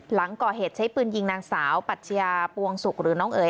หลังก่อเหตุใช้ปืนยิงนางสาวปัชญาปวงศุกร์หรือน้องเอ๋ย